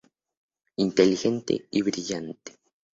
Inteligente... y brillante.